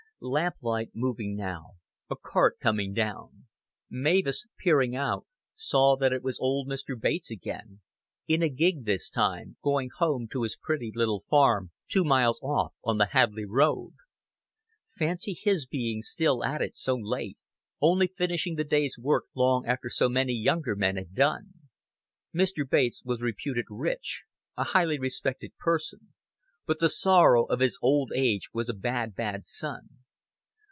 Lamplight moving now a cart coming down. Mavis, peering out, saw that it was old Mr. Bates again, in a gig this time, going home to his pretty little farm two miles off on the Hadleigh Road. Fancy his being still at it so late, only finishing the day's work long after so many younger men had done. Mr. Bates was reputed rich a highly respected person; but the sorrow of his old age was a bad, bad son.